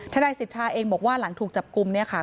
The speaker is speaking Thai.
นายสิทธาเองบอกว่าหลังถูกจับกลุ่มเนี่ยค่ะ